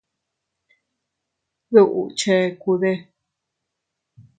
¿Duʼu chekude?